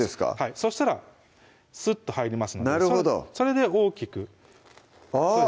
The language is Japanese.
そしたらスッと入りますのでなるほどそれで大きくあっ！